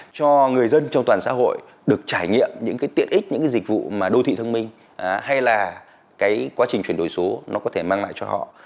cho người dân trong toàn xã hội được trải nghiệm những cái tiện ích những cái dịch vụ mà đô thị thông minh hay là cái quá trình chuyển đổi số nó có thể mang lại cho họ